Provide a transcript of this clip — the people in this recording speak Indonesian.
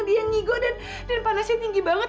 dia nyigo dan panasnya tinggi banget